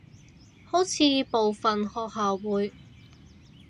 好似部份學校會